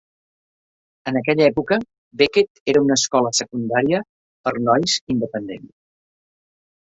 En aquella època, Becket era una escola secundària per a nois independent.